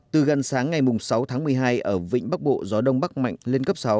từ gần sáng ngày sáu tháng một mươi hai ở vịnh bắc bộ gió đông bắc mạnh lên cấp sáu